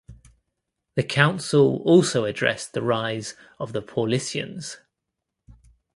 The council also addressed the rise of the Paulicians.